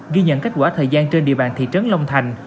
ghi nhận kết quả thời gian trên địa bàn thị trấn long thành